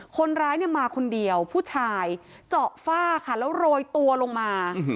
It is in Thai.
คนร้ายเนี่ยมาคนเดียวผู้ชายเจาะฝ้าค่ะแล้วโรยตัวลงมา